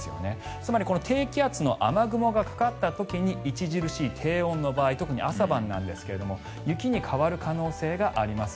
つまり低気圧の雨雲がかかった時に著しい低温の場合特に朝晩なんですが雪に変わる可能性があります。